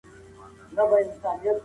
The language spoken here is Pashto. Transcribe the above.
څه شی د ښځو د روغتیا حقونه تضمینوي؟